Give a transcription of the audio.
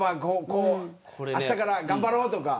あしたから頑張ろうとか。